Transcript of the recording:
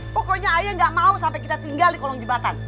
pokoknya ayah gak mau sampai kita tinggal di kolong jembatan